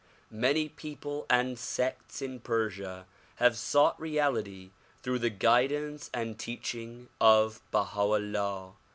Many people and sects in Persia have sought reality through the guidance and teaching of Baha 'Ullah.